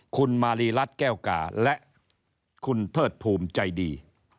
คุณมารีรัฐแก้วกาและคุณเทิดภูมิใจดี